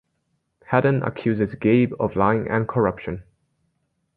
Hadden accuses Gabe of lying and corruption.